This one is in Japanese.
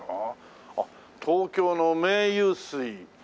あっ「東京の名湧水」。